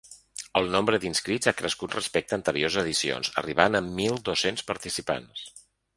El nombre d’inscrits ha crescut respecte a anteriors edicions, arribant a mil dos-cents participants.